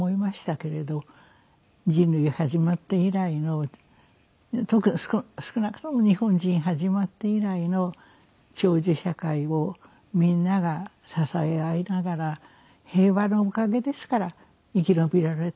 人類始まって以来の少なくとも日本人始まって以来の長寿社会をみんなが支え合いながら平和のおかげですから生き延びられたのは。